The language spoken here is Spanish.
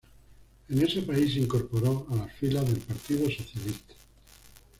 En ese país se incorporó a las filas del Partido Socialista.